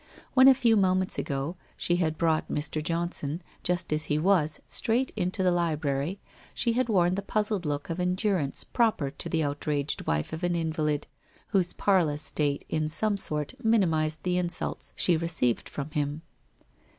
When, a few moments ago, she had brought Mr. Johnson, just as he was, straight into the library, she had worn the puzzled look of endurance proper to the outraged wife of an invalid whose parlous state in some sort minimized the insults she received from him.